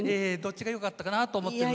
どっちがよかったかなと。